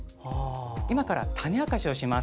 今から種明かしをします。